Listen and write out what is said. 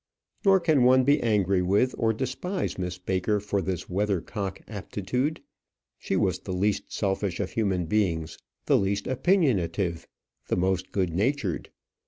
Nor can one be angry with, or despise Miss Baker for this weathercock aptitude. She was the least selfish of human beings, the least opinionative, the most good natured.